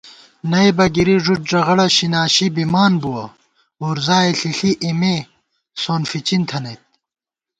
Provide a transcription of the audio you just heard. نئیبہ گِری ݫُد ݫَغَڑہ شِیناشی بِمان بُوَہ، وُرزائےݪِݪی اېمےسونفِچِن تھنَئیت